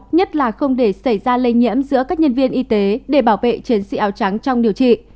nhất là không để xảy ra lây nhiễm giữa các nhân viên y tế để bảo vệ chiến sĩ áo trắng trong điều trị